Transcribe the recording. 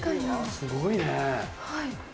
すごいね。